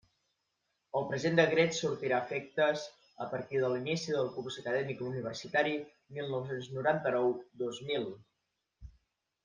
El present decret sortirà efectes a partir de l'inici del curs acadèmic universitari mil nou-cents noranta-nou, dos mil.